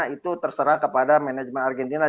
itu terserah kepada manajemen argentina